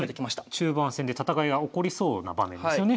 中盤戦で戦いが起こりそうな場面ですよね。